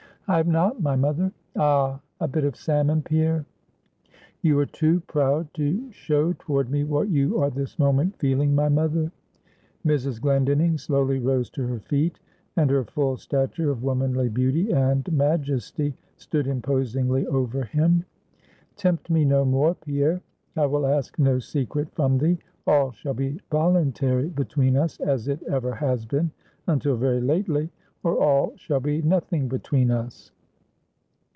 "I have not, my mother." "Ah! A bit of salmon, Pierre." "You are too proud to show toward me what you are this moment feeling, my mother." Mrs. Glendinning slowly rose to her feet, and her full stature of womanly beauty and majesty stood imposingly over him. "Tempt me no more, Pierre. I will ask no secret from thee; all shall be voluntary between us, as it ever has been, until very lately, or all shall be nothing between us.